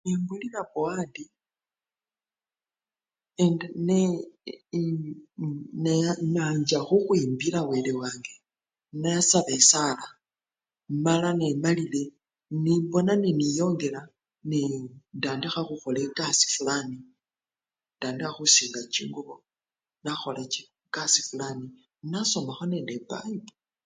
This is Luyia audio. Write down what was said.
Nembulila bowati ndi! ne! neya! ni! nancha khukhwibila wele wange nasaba esala mala nemalile nengona neniyongela nee! ndandikha khukhola ekasii fulani, indandikha khusinga chingubo, nakhola chikasii fulani, nasomakho nende epayipo.